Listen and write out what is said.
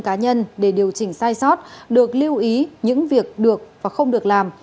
các thí sinh có thể tìm ra những thông tin cá nhân để điều chỉnh sai sót được lưu ý những việc được và không được làm